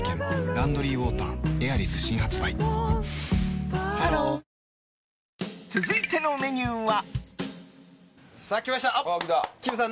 「ランドリーウォーターエアリス」新発売ハロー続いてのメニューは。